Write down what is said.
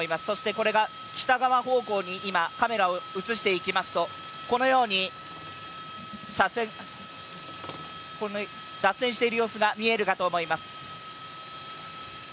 そしてこれが北側方向にカメラを移していきますとこのように脱線している様子が見えるかと思います。